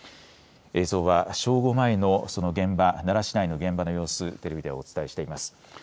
映像は正午前のその現場、奈良市内の現場の様子、テレビでお伝えしています。